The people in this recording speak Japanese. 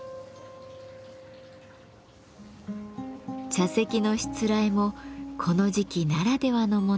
茶席のしつらえもこの時期ならではのものに。